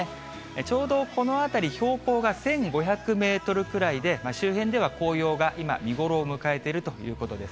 ちょうどこの辺り、標高が１５００メートルくらいで、周辺では紅葉が今、見頃を迎えているということです。